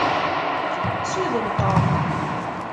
Suden Tom!